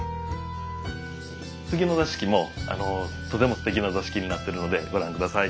次の座敷もとてもすてきな座敷になってるのでご覧ください。